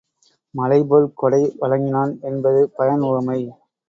மழை போல் கொடை வழங்கினான் என்பது பயன் உவமை.